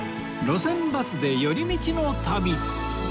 『路線バスで寄り道の旅』